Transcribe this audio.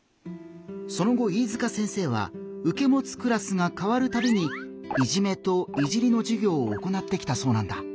その後飯塚先生はうけもつクラスが変わるたびに「いじめ」と「いじり」のじゅぎょうを行ってきたそうなんだ。